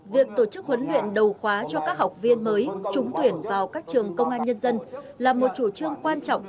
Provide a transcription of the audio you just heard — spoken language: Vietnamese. việc tổ chức huấn luyện đầu khóa cho các học viên mới trúng tuyển vào các trường công an nhân dân là một chủ trương quan trọng